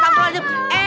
pak kiayi kita pergi